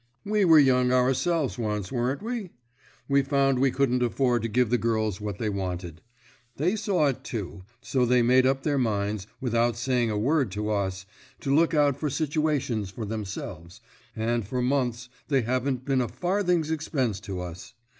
We were young ourselves once, weren't we? We found we couldn't afford to give the girls what they wanted. They saw it, too, so they made up their minds, without saying a word to us, to look out for situations for themselves, and for months they haven't been a farthing's expense to us.